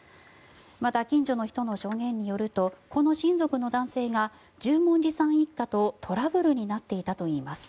また、近所の人の証言によるとこの親族の男性が十文字さん一家と、トラブルになっていたといいます。